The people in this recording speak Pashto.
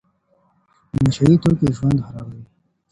نشه يي توکي ژوند خرابوي.